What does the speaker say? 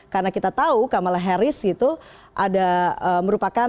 karena kita tahu kamala harris itu ada merupakan calon pertama wakil presiden